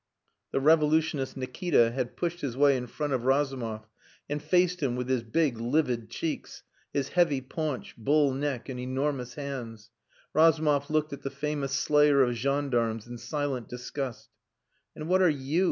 The revolutionist Nikita had pushed his way in front of Razumov, and faced him with his big, livid cheeks, his heavy paunch, bull neck, and enormous hands. Razumov looked at the famous slayer of gendarmes in silent disgust. "And what are you?"